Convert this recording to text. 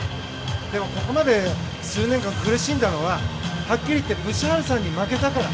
でも、ここまで数年間苦しんだのははっきり言ってブシャールさんに負けたから。